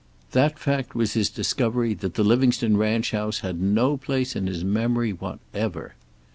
That fact was his discovery that the Livingstone ranch house had no place in his memory whatever.